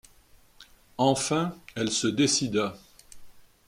Enfin, elle se décida.